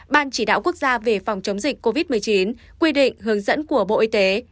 ban chỉ đạo quốc gia về phòng chống dịch covid một mươi chín quy định hướng dẫn của bộ y tế